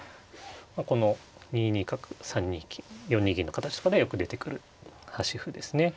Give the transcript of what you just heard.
この２二角３二金４二銀の形とかでよく出てくる端歩ですね。